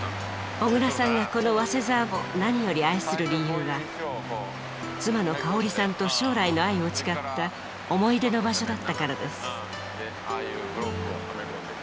小椋さんがこの早稲沢を何より愛する理由は妻の佳穂里さんと将来の愛を誓った思い出の場所だったからです。